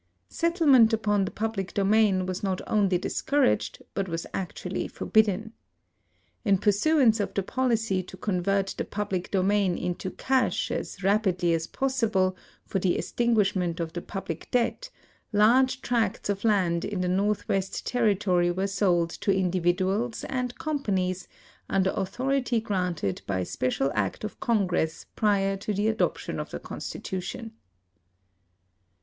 Settlement upon the public domain was not only discouraged, but was actually forbidden. In pur suance of the policy to convert the public domain into cash as rapidly as possible for the extinguishment of the public debt, large tracts of land in the Northwest Territory were sold to indi viduals and companies under authority granted by special act of Congress prior to the adoption of the Constitution.